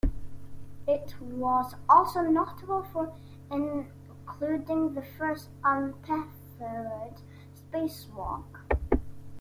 It was also notable for including the first untethered spacewalk.